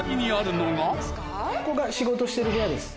ここが仕事してる部屋です。